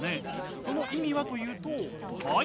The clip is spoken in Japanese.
その意味はというとはい。